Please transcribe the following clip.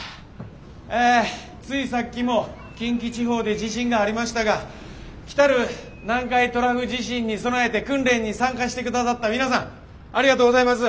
えついさっきも近畿地方で地震がありましたが来る南海トラフ地震に備えて訓練に参加してくださった皆さんありがとうございます。